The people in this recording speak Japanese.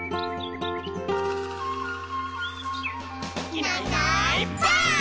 「いないいないばあっ！」